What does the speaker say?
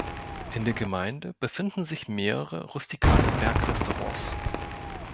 In der Gemeinde befinden sich mehrere rustikale Bergrestaurants.